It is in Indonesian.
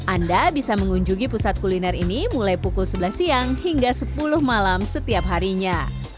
anda bisa mengunjungi pusat kuliner ini mulai pukul sebelas siang hingga sepuluh malam setiap harinya